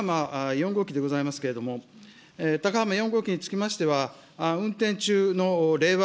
４号機でございますけれども、高浜４号機につきましては、運転中の令和